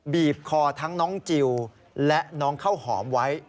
บีบคอทั้งน้องจิลและน้องข้าวหอมไว้